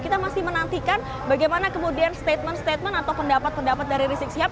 kita masih menantikan bagaimana kemudian statement statement atau pendapat pendapat dari rizik sihab